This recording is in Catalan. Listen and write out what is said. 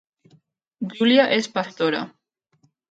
Júlia és pastora